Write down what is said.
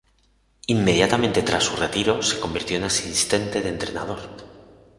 Inmediatamente tras su retiro, se convirtió en asistente de entrenador.